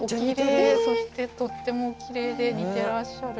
そしてとてもおきれいで似てらっしゃる。